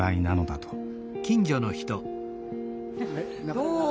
どう。